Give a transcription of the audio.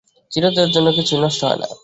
চিরদিনের জন্য কিছুই নষ্ট হয় না।